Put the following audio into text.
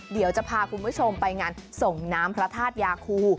เดี๋ยวจะพาคุณผู้ชมไปงานส่งน้ำพระธาตุยาคู